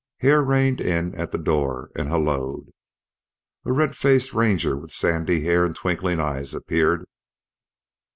Hare reined in at the door and helloed. A red faced ranger with sandy hair and twinkling eyes appeared.